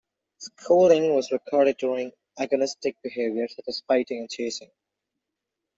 Scolding was recorded during agonistic behaviour such as fighting and chasing.